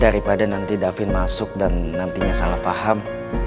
daripada nanti davin masuk dan nantinya salah paham